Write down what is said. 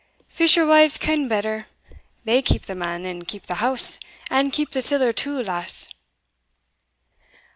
fisherwives ken better they keep the man, and keep the house, and keep the siller too, lass."